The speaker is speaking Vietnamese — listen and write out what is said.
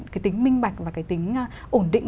cái tính minh bạch và cái tính ổn định